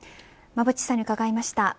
馬渕さんに伺いました。